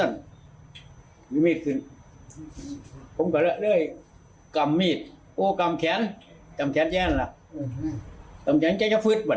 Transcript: ฤษฐฟรรณคุณพ่ายังไง